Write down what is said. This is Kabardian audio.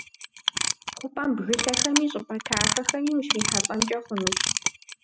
ХъупӀэм бгылъэхэми щӀыпӀэ тафэхэми ущрихьэлӀэнкӀэ хъунущ.